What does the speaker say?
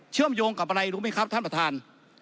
มโยงกับอะไรรู้ไหมครับท่านประธาน